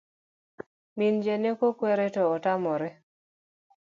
Min janeko kuere to otamore